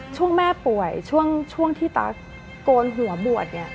ช่วงแม่ป่วยช่วงที่ตาโกนหัวมา